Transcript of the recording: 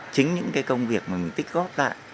chính những cái công việc mình tích góp lại